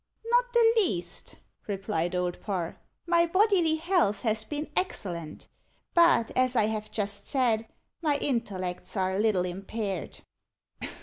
"Not the least," replied Old Parr. "My bodily health has been excellent. But, as I have just said, my intellects are a little impaired."